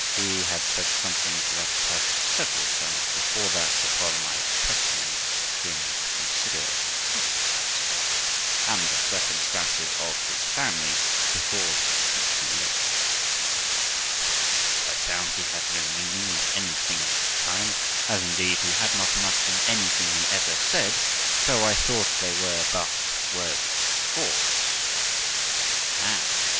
He had said something to that purpose several times before that, upon my pressing him to consider his circumstances, and the circumstances of his family, before it should be too late ; but as I found he had no meaning in anything of that kind, as, indeed, he had not much in anything he ever said, so I thought they were but words of course now.